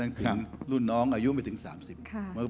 เพราะฉะนั้นเราทำกันเนี่ย